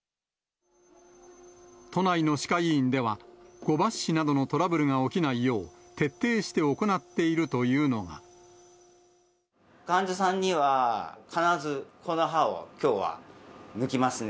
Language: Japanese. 都内の歯科医院では、誤抜歯などのトラブルが起きないよう、徹底して行っているという患者さんには、必ずこの歯はきょうは抜きますね。